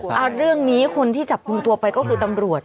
เอาเรื่องนี้คนที่จับกลุ่มตัวไปก็คือตำรวจ